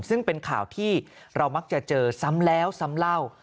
ซึ่งเป็นข่าวที่เรามักจะเจอซ้ำแล้วซ้ำเล่า